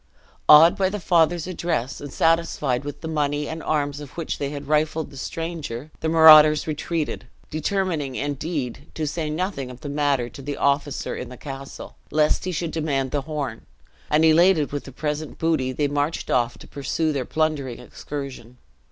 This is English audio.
Awed by the father's address, and satisfied with the money and arms of which they had rifled the stranger, the marauders retreated; determining, indeed, to say nothing of the matter to the officer in the castle, lest he should demand the horn; and, elated with the present booty, they marched off to pursue their plundering excursion.